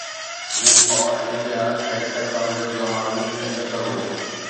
هو All India National Congress جو حامي ۽ ميمبر هو